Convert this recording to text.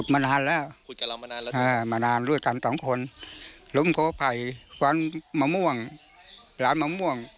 มานานด้วยสามสองคนลุ้มโทษภัยฟ้านมะม่วงร้านมะม่วง